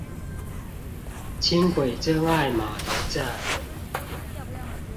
輕軌真愛碼頭站